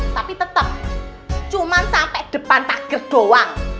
tapi tetep cuman sampe depan takir doang